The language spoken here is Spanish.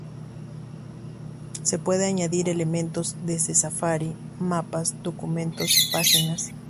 Se pueden añadir elementos desde Safari, Mapas, documentos, páginas.